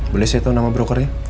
boleh saya tahu nama brokernya